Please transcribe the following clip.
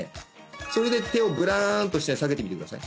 それで手をぶらんと下へ下げてみてください